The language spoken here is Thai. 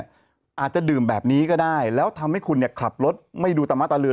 อาจจะดื่มแบบนี้ก็ได้แล้วทำให้คุณเนี่ยขับรถไม่ดูตามะตะลือ